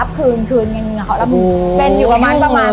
เป็นอยู่ประมาณ๓๔เดือน